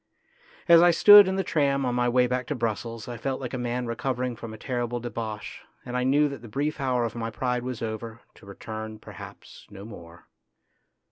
As I stood in the tram on my way back to Brussels I felt like a man recovering from a terrible debauch, and I knew that the brief hour of my pride was over, to return, perhaps, no more.